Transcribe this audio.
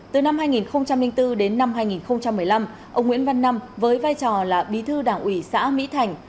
từ năm hai nghìn bốn đến năm hai nghìn một mươi năm ông nguyễn văn năm với vai trò là bí thư đảng ủy xã mỹ thành